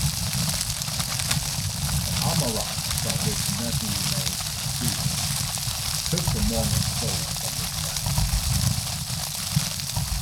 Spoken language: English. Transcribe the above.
The amarok, "from which nothing remains concealed", took the mourner's soul from his body.